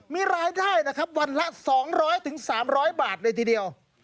มีรายได้นะครับวันละ๒๐๐๓๐๐บาทเลยทีเดียว